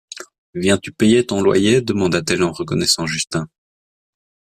Viens-tu payer ton loyer ? demanda-t-elle en reconnaissant Justin.